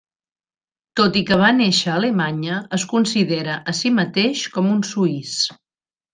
Tot i que va néixer a Alemanya, es considera a si mateix com un suís.